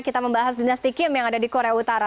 kita membahas dinasti kim yang ada di korea utara